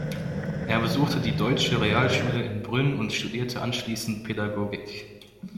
Er besuchte die deutsche Realschule in Brünn und studierte anschließend Pädagogik.